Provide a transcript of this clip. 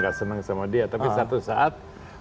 gak senang sama dia tapi satu saat